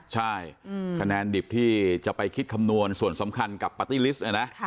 ใช่คะแนนดิบที่จะไปคิดคำนวณส่วนสำคัญกับปาร์ตี้ลิสต์